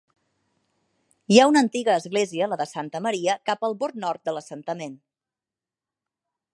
Hi ha una antiga església, la de Santa María, cap al bord nord de l'assentament.